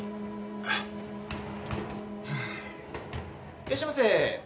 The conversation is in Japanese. いらっしゃいませ。